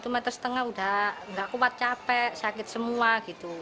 satu lima meter udah nggak kuat capek sakit semua gitu